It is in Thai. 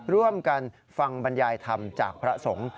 ร่วมกันฟังบรรยายธรรมจากพระสงฆ์